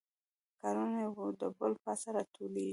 کارونه یو د بل پاسه راټولیږي